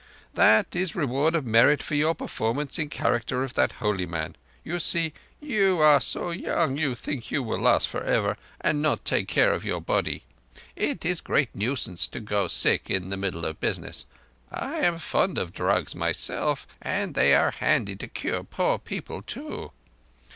"That is reward of merit for your performance in character of that holy man. You see, you are so young you think you will last for ever and not take care of your body. It is great nuisance to go sick in the middle of business. I am fond of drugs myself, and they are handy to cure poor people too.